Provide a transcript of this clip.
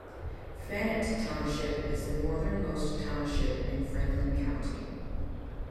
Fannett Township is the northernmost township in Franklin County.